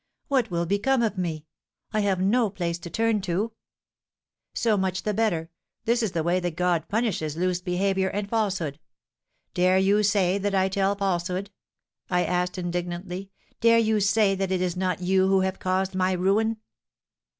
What will become of me? I have no place to turn to.' 'So much the better; this is the way that God punishes loose behaviour and falsehood.' 'Dare you say that I tell falsehood?' I asked, indignantly, 'dare you say that it is not you who have caused my ruin?'